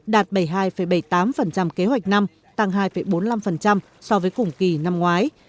đạt bảy mươi hai bảy mươi tám kế hoạch năm tăng hai bốn mươi năm so với cùng kỳ năm ngoái